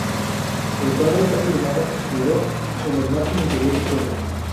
El cuadro está firmado "Miró" en el margen inferior izquierdo.